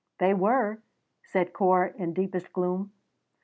"They were," said Corp, in deepest gloom.